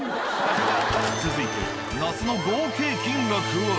続いて那須の合計金額は？